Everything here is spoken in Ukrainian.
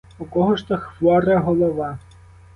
У кого ж то хвора голова?